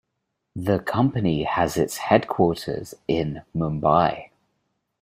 The company has its headquarters in Mumbai.